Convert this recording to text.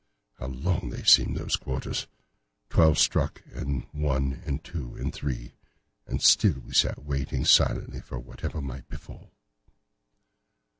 How long they seemed, those quarters! Twelve struck, and one and two and three, and still we sat waiting silently for whatever might befall.